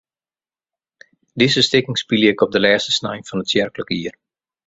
Dizze stikken spylje ik op de lêste snein fan it tsjerklik jier.